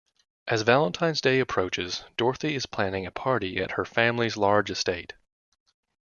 As Valentine's Day approaches, Dorothy is planning a party at her family's large estate.